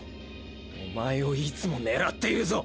お前をいつも狙っているぞ。